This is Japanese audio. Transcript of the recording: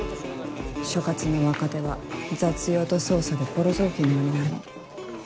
所轄の若手は雑用と捜査でボロ雑巾のようになるの。